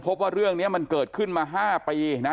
พบว่าเรื่องนี้มันเกิดขึ้นมา๕ปีนะ